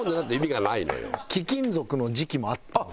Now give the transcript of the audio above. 貴金属の時期もあったんですか？